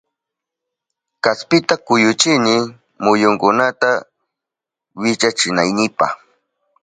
Kaspita kuyuchini muyunkunata wichachinaynipa